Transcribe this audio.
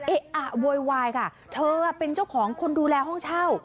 เอ๊ะอะโวยวายค่ะเธอเป็นเจ้าของคนดูแลห้องเช่า